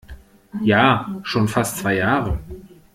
Ja, schon fast zwei Jahre.